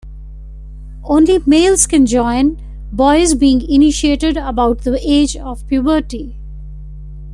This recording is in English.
Only males can join, boys being initiated about the age of puberty.